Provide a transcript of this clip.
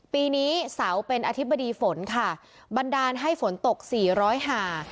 ปีนี้เสาเป็นอธิบดีฝนค่ะบันดาลให้ฝนตกสี่ร้อยห่า